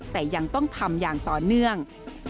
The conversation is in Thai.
แต่ยังต้องทำอย่างต่อเนื่อง